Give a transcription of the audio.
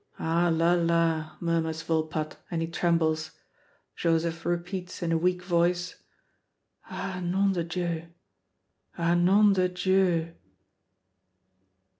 "Ah, la, la!" murmurs Volpatte, and he trembles. Joseph repeats in a weak voice, "Ah, nom de Dieu! Ah, nom de Dieu!"